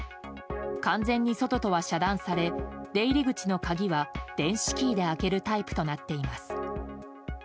完全に外とは遮断され出入り口の鍵は電子キーで開けるタイプとなっています。